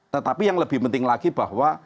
tetapi yang lebih penting lagi bahwa